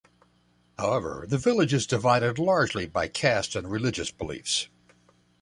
However, the village is divided largely by caste and religious beliefs.